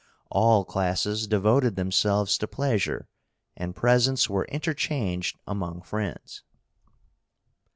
All classes devoted themselves to pleasure, and presents were interchanged among friends.